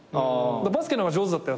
バスケの方が上手だったよ